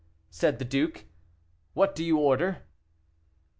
said the duke. "What do you order?"